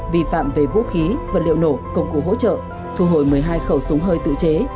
vi phạm về vũ khí vật liệu nổ công cụ hỗ trợ thu hồi một mươi hai khẩu súng hơi tự chế